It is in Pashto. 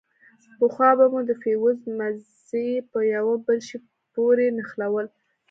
پخوا به مو د فيوز مزي په يوه بل شي پورې نښلول.